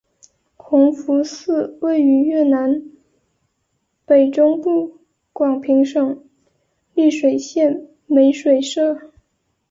弘福寺位于越南北中部广平省丽水县美水社。